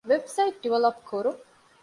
ވެބްސައިޓް ޑިވެލޮޕް ކުރުން